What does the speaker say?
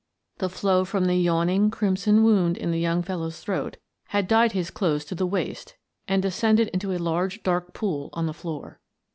The flow from the yawning, crimson wound in the young fellow's throat had dyed his clothes to 5* 52 Miss Frances Baird, Detective the waist and descended into a large dark pool on the floor.